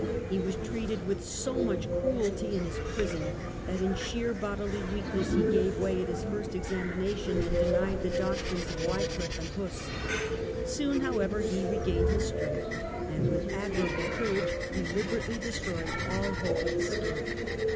He was j^j^'^^^"^' treated with so much cruelty in his prison, that in sheer bodily weakness he gave way at his first examination and denied the doctrines of Wycliffe and of Huss. Soon, however, he regained his strength, and with admirable courage deliberately destroyed all hope of escape.